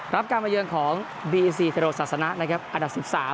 รับการมาเยืองของเทโลศาสนานะครับอันดับสิบสาม